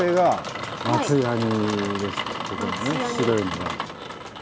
白いのが。